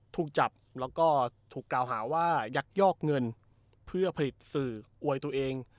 ถูกจับแล้วก็ถูกกล่าวหาว่ายักยอกเงินเพื่อผลิตสื่ออวยตัวเอง